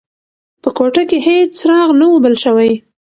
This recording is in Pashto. په کوټه کې هیڅ څراغ نه و بل شوی.